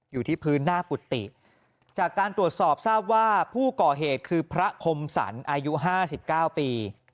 อยู่ที่พื้นหน้ากุฏิจากการตรวจสอบทราบว่าผู้ก่อเหตุคือพระคมสรรอายุ๕๙ปี